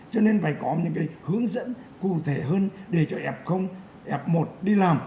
cho nên phải có những cái hướng dẫn cụ thể hơn để cho f f một đi làm